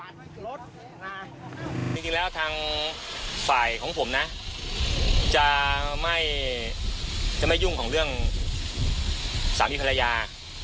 จริงแล้วทางฝ่ายของผมนะจะไม่ยุ่งของเรื่องสามีภรรยา